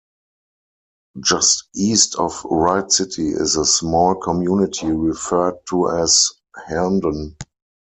Just east of Wright City is a small community referred to as Herndon.